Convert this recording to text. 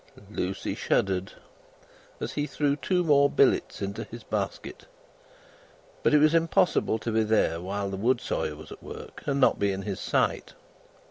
Lucie shuddered as he threw two more billets into his basket, but it was impossible to be there while the wood sawyer was at work, and not be in his sight.